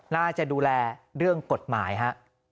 น่าจะดูแลเรื่องกฎหมายฮะ